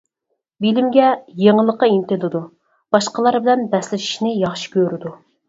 بىلىمگە، يېڭىلىققا ئىنتىلىدۇ، باشقىلار بىلەن بەسلىشىشنى ياخشى كۆرىدۇ.